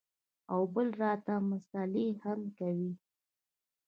او بل راته مسالې هم کوې.